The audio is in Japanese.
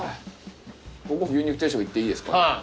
僕牛肉定食いっていいですか？